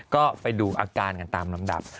ก็ไปดูอาการกันตามลำดับ